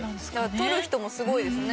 撮る人もすごいですね。